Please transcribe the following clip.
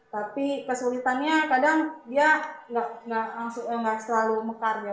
tapi kesulitannya kadang dia nggak langsung nggak selalu mekar ya pak